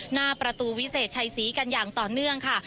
หน้าประตูวิเศษชัยศรีกันอย่างต่อเนื่องค่ะ